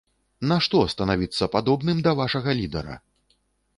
Нашто станавіцца падобным да вашага лідара?!